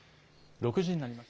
６時になりました。